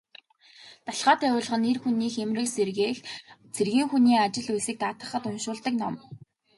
Далха тахиулах нь эр хүний хийморийг сэргээх, цэргийн хүний ажил үйлсийг даатгахад уншуулдаг ном.